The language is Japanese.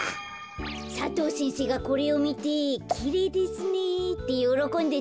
佐藤先生がこれをみて「きれいですね」ってよろこんでたんだ。